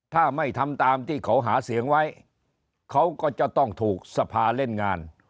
ถ้าไม่ทำตามที่เขาหาเสียงไว้เขาก็จะต้องถูกสภาเล่นงาน